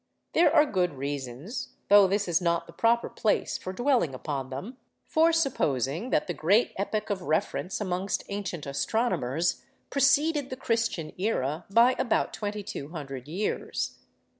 There are good reasons, though this is not the proper place for dwelling upon them, for supposing that the great epoch of reference amongst ancient astronomers preceded the Christian era by about 2200 years.